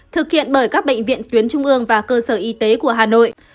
thực hiện bởi các bệnh viện tuyến trung ương và cơ sở y tế của hà nội